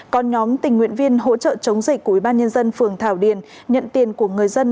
còn nhóm tình nguyện viên hỗ trợ chống dịch của ubnd phường thảo điền nhận tiền của người dân